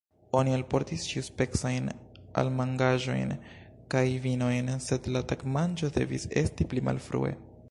Oni alportis ĉiuspecajn almanĝaĵojn kaj vinojn, sed la tagmanĝo devis esti pli malfrue.